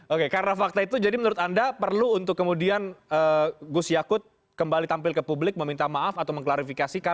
oke karena fakta itu jadi menurut anda perlu untuk kemudian gus yakut kembali tampil ke publik meminta maaf atau mengklarifikasi